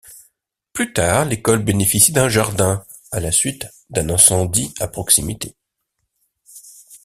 Plus tard, l'école bénéficie d'un jardin, à la suite d'un incendie à proximité.